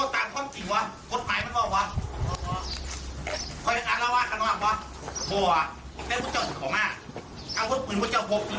เดี๋ยวบริกิตออกมาให้พวกนี้